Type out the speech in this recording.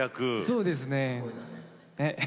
そうですね。